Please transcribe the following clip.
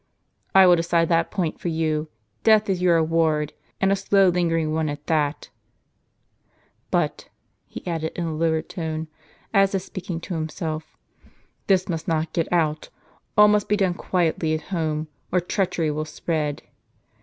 "I will decide that point for you. Death is your award; and a slow lingering one it shall be. But," he added, in a lower tone, as if speaking to himself, "this must not get out. All must be done quietly at home, or treachery will spread.